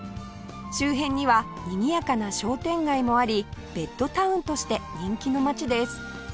周辺にはにぎやかな商店街もありベッドタウンとして人気の街です